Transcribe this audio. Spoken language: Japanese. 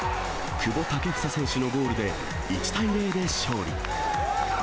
久保建英選手のゴールで１対０で勝利。